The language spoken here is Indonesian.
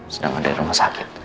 sedang ada di rumah sakit